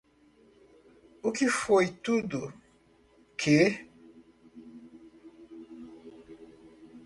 O que foi tudo que?